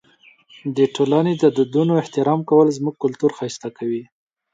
د ټولنې د دودونو احترام کول زموږ کلتور ښایسته کوي.